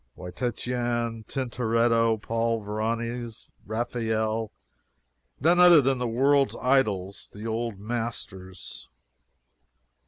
Why, Titian, Tintoretto, Paul Veronese, Raphael none other than the world's idols, the "old masters."